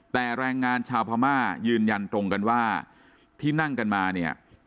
แต่แรงงานชาวพม่ายืนยันตรงกันว่าที่นั่งกันมาเนี่ย